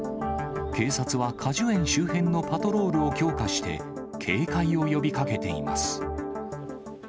警察は果樹園周辺のパトロールを強化して、警戒を呼びかけています。